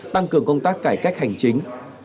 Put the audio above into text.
tăng cường công tác cải cách hành chính